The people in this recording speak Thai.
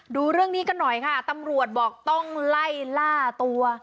ดูเรื่องนี้กันหน่อยค่ะตำรวจบอกต้องไล่ล่าตัว